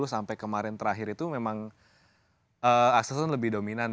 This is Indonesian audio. sampai kemarin terakhir itu memang aksesnya lebih dominan